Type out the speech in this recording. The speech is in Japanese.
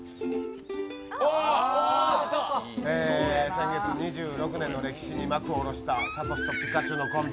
先月２６年の歴史に幕を降ろしたサトシとピカチュウのコンビ。